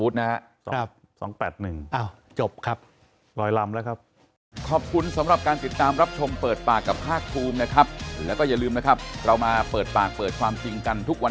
ตอนนี้๒๗๑แล้วนะมีแถมชาติไทยพัฒนา